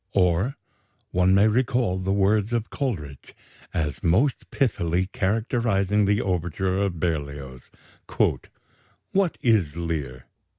Or one may recall the words of Coleridge as most pithily characterizing the overture of Berlioz: "What is Lear?